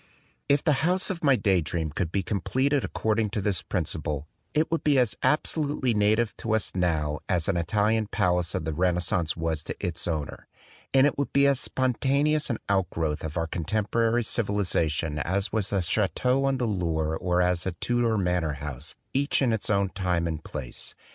If the house of my day dream could be com 56 THE DWELLING OF A DAY DREAM pleted according to this principle, it would be as absolutely native to us now, as an Italian palace of the Renascence was to its owner; and it would be as spontaneous an outgrowth of our contemporary civilization as was a chateau on the Loire or as a Tudor manor house, each in its own time and place.